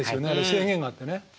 制限があってね。